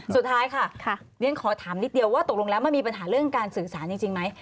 สุดท้ายค่ะเรียนขอถามนิดเดียวว่าตกลงแล้วมันมีปัญหาเรื่องการสื่อสารจริงไหม